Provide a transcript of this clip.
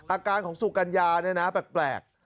อาการของสุกัญญาเนี่ยนะแปลก